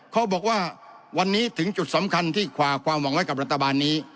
เขาบอกว่าวันนี้ถึงจุดสำคัญที่ขวาความหวังไว้กับรัฐบาลนี้